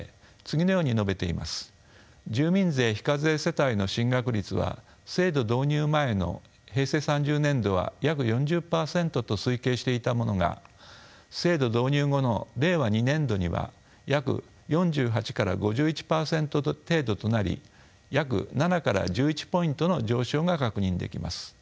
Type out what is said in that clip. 住民税非課税世帯の進学率は制度導入前の平成３０年度は約４０％と推計していたものが制度導入後の令和２年度には約４８から５１％程度となり約７から１１ポイントの上昇が確認できます。